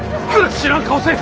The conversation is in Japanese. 知らん顔せえ！